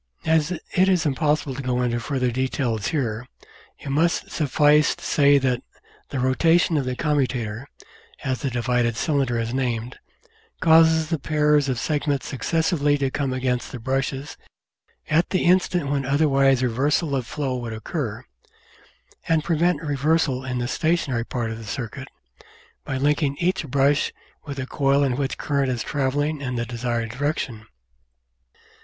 As it is impossible to go into further details here, it must suffice to say that the rotation of the commutator, as the divided cylinder is named, causes the pairs of segments successively to come against the brushes at the instant when otherwise reversal of flow would occur, and prevent reversal in the stationary part of the circuit by linking each brush with a coil in which current is travelling in the desired direction.